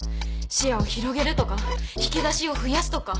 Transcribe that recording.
視野を広げるとか引き出しを増やすとか。